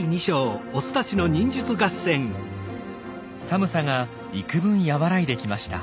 寒さがいくぶん和らいできました。